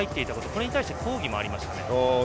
これに対して抗議もありました。